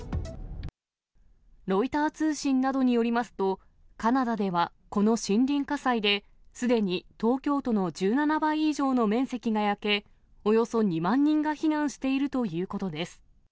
ロイター通信などによりますと、カナダではこの森林火災で、すでに東京都の１７倍以上の面積が焼け、およそ２万人が避難しているということです。